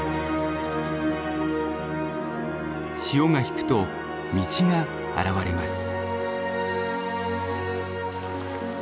潮が引くと道が現れます。